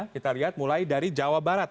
kita lihat mulai dari jawa barat